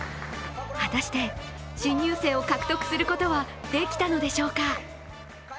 果たして新入生を獲得することはできたのでしょうか。